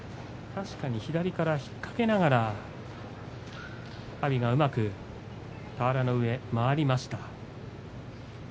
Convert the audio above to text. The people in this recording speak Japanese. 確かに左から引っかけながら阿炎がうまく俵の上へ回り込みました。